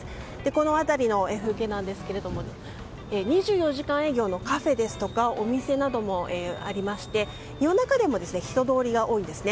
この辺りの風景なんですけれども２４時間営業のカフェですとかお店などもあり夜中でも人通りが多いんです。